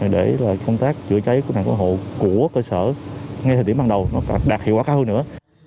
để công tác chữa cháy của cơ hội của cơ sở ngay thời điểm bằng đầu đạt hiệu quả cao hơn nữa